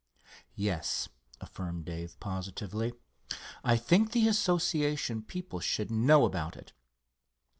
"Yes," affirmed Dave, positively. "I think the Association people should know about it.